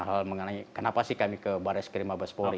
hal mengenai kenapa sih kami ke baraiskrim abaspori